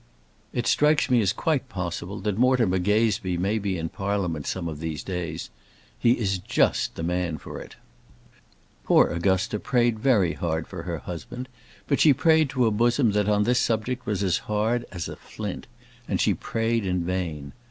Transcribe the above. It strikes me as quite possible that Mortimer Gazebee may be in Parliament some of these days. He is just the man for it. Poor Augusta prayed very hard for her husband; but she prayed to a bosom that on this subject was as hard as a flint, and she prayed in vain.